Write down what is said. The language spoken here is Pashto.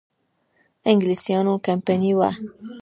انګلیسیانو کمپنی وه.